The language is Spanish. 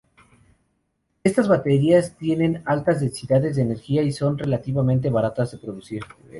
Estas baterías tienen altas densidades de energía y son relativamente baratas de producir.